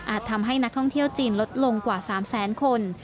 ทำให้นักท่องเที่ยวจีนลดลงกว่า๓แสนคน